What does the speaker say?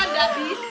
tunggu tunggu tunggu